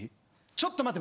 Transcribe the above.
ちょっと待て。